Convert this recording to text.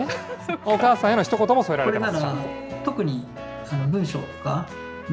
お母さんへのひと言も添えられています。